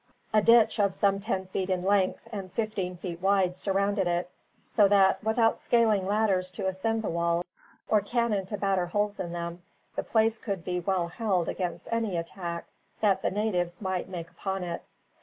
A ditch of some ten feet in depth and fifteen feet wide surrounded it; so that, without scaling ladders to ascend the walls, or cannon to batter holes in them, the place could be well held against any attack that the natives might make upon it.